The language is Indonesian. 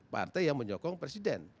partai yang menyokong presiden